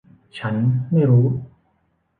ฉันไม่รู้